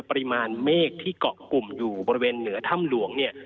ปริมาณเมฆที่เกาะกลุ่มอยู่บริเวณเหนือถ้ำหลวงเนี่ย